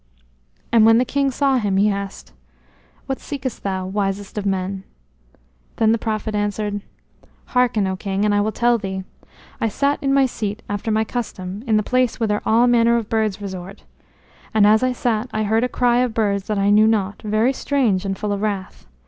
And when the king saw him he asked: "What seekest thou, wisest of men?" Then the prophet answered: "Hearken, O King, and I will tell thee. I sat in my seat, after my custom, in the place whither all manner of birds resort. And as I sat I heard a cry of birds that I knew not, very strange and full of wrath.